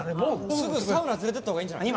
すぐサウナ連れていったほうがいいんじゃない？